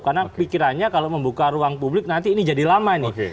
karena pikirannya kalau membuka ruang publik nanti ini jadi lama nih